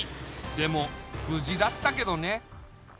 でもぶじだったけどね。